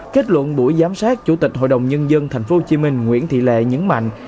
kết luận buổi giám sát chủ tịch hội đồng nhân dân tp hcm nguyễn thị lệ nhấn mạnh